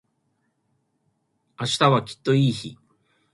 明日はきっといい日